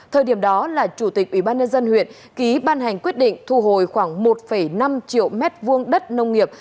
thời điểm đó là chủ tịch ủy ban nhân dân huyện ký ban hành quyết định thu hồi khoảng một năm triệu m hai đất nông nghiệp